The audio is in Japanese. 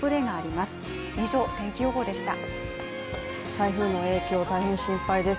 台風の影響、大変心配です。